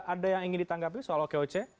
ada yang ingin ditanggapi soal oke oce